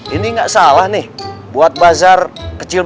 ini nggak salah nih buat bazar kecil